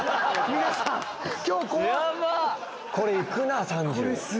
これ行くなぁ３０。